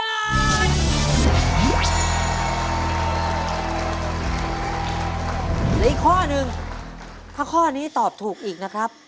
อีกข้อนึงถ้าข้อนี้ตอบถูกอีกนะครับ